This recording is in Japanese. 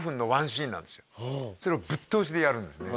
それをぶっ通しでやるんですね